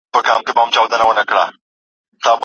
روښانه فکر ستاسو د ژوند موخي روښانوي.